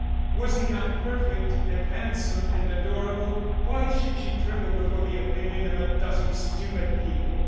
Was he not perfect, and handsome, and adorable? Why should she tremble before the opinion of a dozen stupid people?